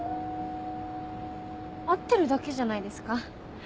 会ってるだけじゃないですか？